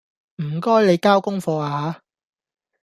唔該你交功課呀吓